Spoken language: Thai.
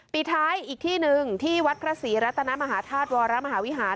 ปิดท้ายอีกที่หนึ่งที่วัดพระศรีรัตนมหาธาตุวรมหาวิหาร